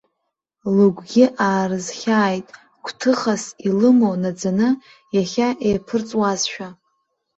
Лыгәгьы аарызхьааит, гәҭыхас илымоу наӡаны, иахьа еиԥырҵуазшәа.